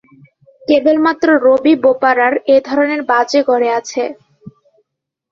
কেবলমাত্র রবি বোপারা’র এ ধরনের বাজে গড়ে আছে।